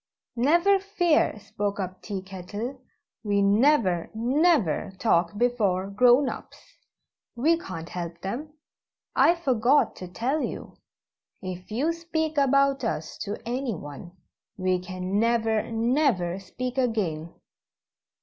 "Never fear," spoke up Tea Kettle; "we never, never talk before 'grown ups' we can't help them. I forgot to tell you if you speak about us to anyone, we can never, never speak again."